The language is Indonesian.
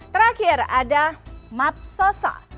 terakhir ada map sosa